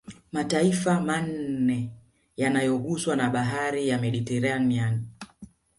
Mataifa manne yanayoguswa na bahari ya Mediterania